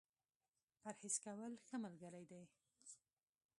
پرهېز کول ، ښه ملګری دی.